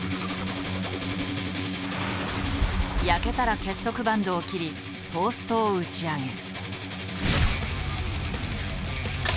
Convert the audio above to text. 焼けたら結束バンドを切りトーストを打ち上げる。